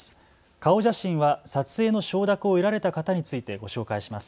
顔写真は、撮影の承諾を得られた方についてご紹介します。